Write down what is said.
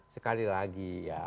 sekali lagi ya